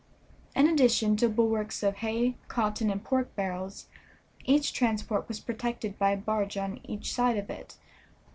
In addition to bulwarks of hay, cotton, and pork barrels, each transport was protected by a barge on each side of it.